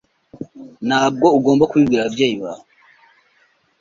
Ntabwo ugomba kubibwira ababyeyi bawe.